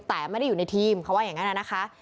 แต่ไม่ได้อยู่ในทีมเขาว่าอย่างนั้นนะคะ